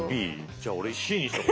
じゃあ俺Ｃにしとこ。